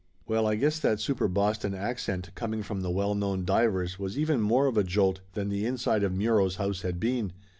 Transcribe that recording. Well, I guess that super Boston accent, coming from the well known divers, was even more of a jolt than the inside of Muro's house had been.